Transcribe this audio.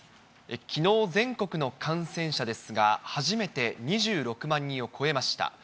きのう、全国の感染者ですが、初めて２６万人を超えました。